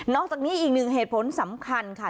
จากนี้อีกหนึ่งเหตุผลสำคัญค่ะ